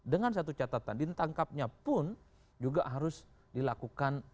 dengan satu catatan ditangkapnya pun juga harus dilakukan